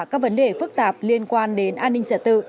các vấn đề phức tạp liên quan đến an ninh trật tự